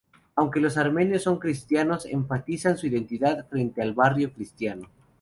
Aunque los armenios son cristianos, enfatizan su identidad frente al Barrio Cristiano.